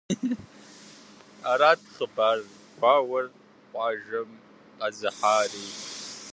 Арат хъыбар гуауэр къуажэм къэзыхьари.